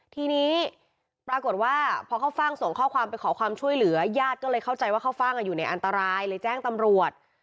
ทีนี้ปรากฏว่าพอข้าวฟ่างส่งข้อความไปขอความช่วยเหลือญาติก็เลยเข้าใจว่าข้าวฟ่างอยู่ในอันตรายเลยแจ้งตำรวจ